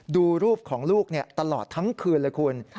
ดูรูปของลูกตลอดทั้งคืนเลยคุณ